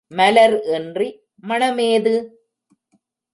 மலர் இன்றி மணம் ஏது?